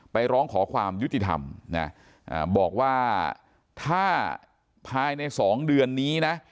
ร้องขอความยุติธรรมนะบอกว่าถ้าภายใน๒เดือนนี้นะ